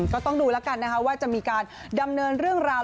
ก็ต้องดูแล้วกันนะคะว่าจะมีการดำเนินเรื่องราว